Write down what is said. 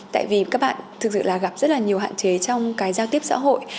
tại vì các bạn thực sự là gặp rất là nhiều hạn chế trong cái giao tiếp xã hội